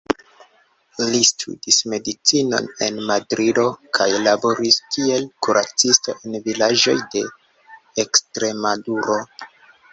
Li studis medicinon en Madrido kaj laboris kiel kuracisto en vilaĝoj de Ekstremaduro.